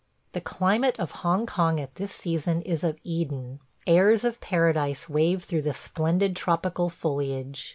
... The climate of Hong Kong at this season is of Eden. Airs of Paradise wave through the splendid tropical foliage.